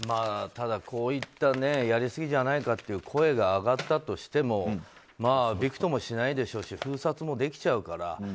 ただ、こういったやりすぎじゃないかという声が上がったとしてもびくともしないでしょうし封殺もできちゃうから。